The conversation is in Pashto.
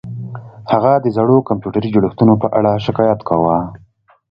هغه د زړو کمپیوټري جوړښتونو په اړه شکایت کاوه